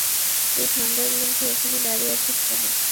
তুই ঠান্ডার মধ্যে এখানে দাঁড়িয়ে আছিস কেন?